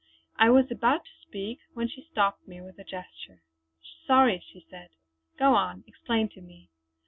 I was about to speak when she stopped me with a gesture. "Sorry!" she said. "Go on; explain to me!